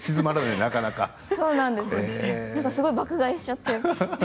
すごい爆買いしちゃって。